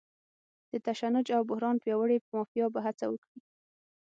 د تشنج او بحران پیاوړې مافیا به هڅه وکړي.